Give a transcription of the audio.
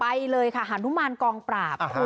ไปเลยค่ะฮฆปราบอาหาร